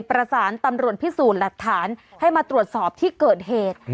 ประสานตำรวจพิสูจน์หลักฐานให้มาตรวจสอบที่เกิดเหตุ